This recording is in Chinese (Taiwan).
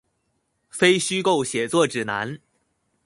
非虛構寫作指南